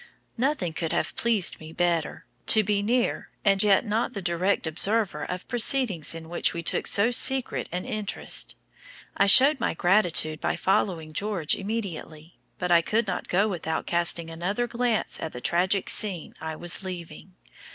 Nothing could have pleased me better; to be near and yet not the direct observer of proceedings in which we took so secret an interest! I showed my gratitude by following George immediately. But I could not go without casting another glance at the tragic scene I was leaving.